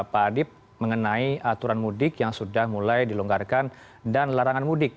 pak adib mengenai aturan mudik yang sudah mulai dilonggarkan dan larangan mudik